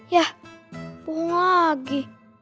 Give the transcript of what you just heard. yah bohong lagi